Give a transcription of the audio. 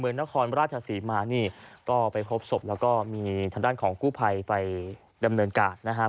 นครราชศรีมานี่ก็ไปพบศพแล้วก็มีทางด้านของกู้ภัยไปดำเนินการนะครับ